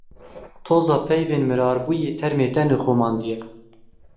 Toza peyvên mirarbûyî termê te nixumandiye.